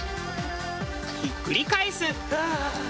ひっくり返す。